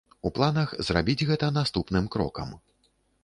У планах зрабіць гэта наступным крокам.